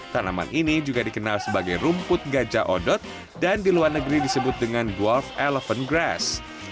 tanaman ini juga dikenal sebagai rumput gajah odot dan di luar negeri disebut dengan gualf eleven grass